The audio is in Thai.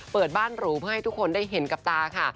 เปิดบ้านหรูเพื่อให้ทุกคนได้เห็นกับตาค่ะ